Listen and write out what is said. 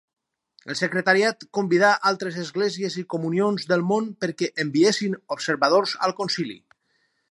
El Secretariat convidà altres Esglésies i Comunions del Món perquè enviessin observadors al Concili.